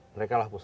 mereka lah pusatnya